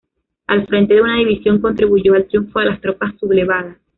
Al frente de una división contribuyó al triunfo de las tropas sublevadas.